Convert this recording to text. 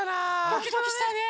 ドキドキしたね。